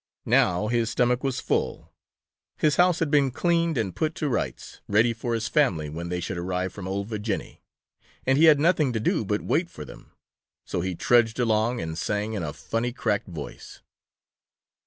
Now his stomach was full, his house had been cleaned and put to rights, ready for his family when they should arrive from "Ol' Virginny," and he had nothing to do but wait for them. So he trudged along and sang in a funny, cracked voice.